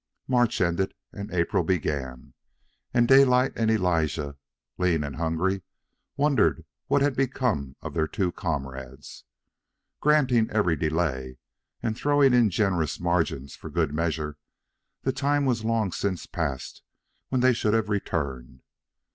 March ended and April began, and Daylight and Elijah, lean and hungry, wondered what had become of their two comrades. Granting every delay, and throwing in generous margins for good measure, the time was long since passed when they should have returned.